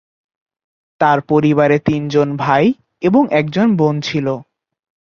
তার পরিবারে তিনজন ভাই এবং একজন বোন ছিল।